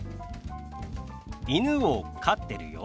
「犬を飼ってるよ」。